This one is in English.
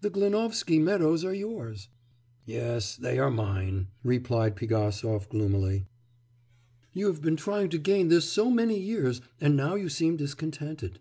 The Glinovsky meadows are yours.' 'Yes, they are mine,' replied Pigasov gloomily. 'You have been trying to gain this so many years, and now you seem discontented.